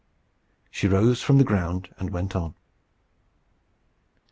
She rose from the ground, and went on.